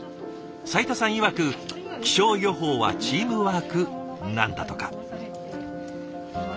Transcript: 斉田さんいわく「気象予報はチームワーク」なんだとか。